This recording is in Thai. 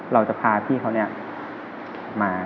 เราจะพาพี่เขาเนี่ยมา